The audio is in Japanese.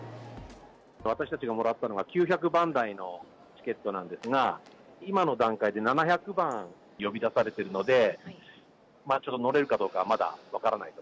私たちがもらったのが９００番台のチケットなんですが、今の段階で７００番呼び出されてるので、ちょっと乗れるかどうかまだ分からないと。